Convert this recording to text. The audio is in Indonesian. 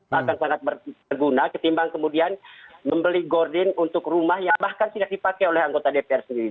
bahkan sangat berguna ketimbang kemudian membeli gordin untuk rumah yang bahkan tidak dipakai oleh anggota dpr sendiri